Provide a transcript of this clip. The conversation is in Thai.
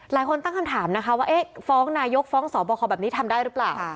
หลายคนตั้งคำถามนะคะว่าฟ้องนายกฟ้องสอบคอแบบนี้ทำได้หรือเปล่า